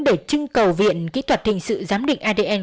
để trưng cầu viện kỹ thuật hình sự giám định adn